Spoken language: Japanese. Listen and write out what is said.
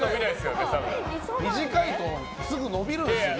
短いとすぐ伸びるんですよね。